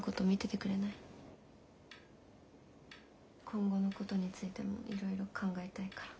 今後のことについてもいろいろ考えたいから。